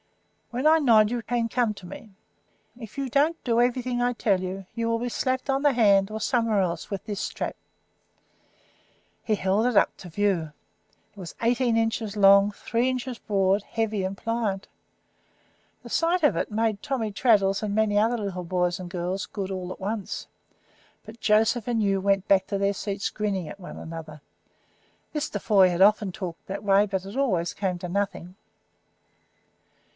When I nod you can come to me. If you don't do everything I tell you, you will be slapped on the hand, or somewhere else, with this strap." He held it up to view. It was eighteen inches long, three inches broad, heavy, and pliant. The sight of it made Tommy Traddles and many other little boys and girls good all at once; but Joseph and Hugh went back to their seats grinning at one another. Mr. Foy had often talked that way, but it always came to nothing.